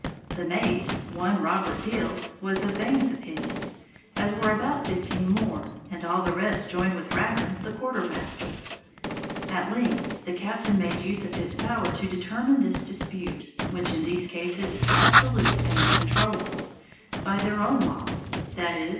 The mate, one Robert Deal, was of Vane's opinion, as were about fifteen more, and all the rest joined with Rackam the quarter master. At length the captain made use of his power to determine this dispute, which in these cases is absolute and uncontrollable, by their own laws, viz.